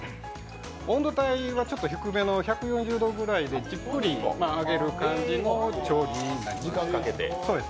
温度帯は低めの１４０度ぐらいでじっくり揚げる調理になっています。